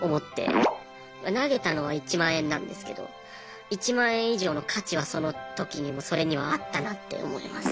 投げたのは１万円なんですけど１万円以上の価値はその時にもそれにはあったなって思いますね。